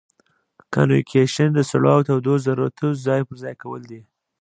کانویکشن د سړو او تودو ذرتو ځای پر ځای کول دي.